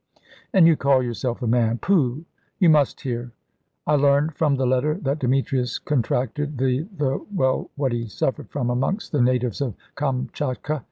"And you call yourself a man pooh! You must hear. I learned from the letter that Demetrius contracted the the well, what he suffered from, amongst the natives of Kamchatka.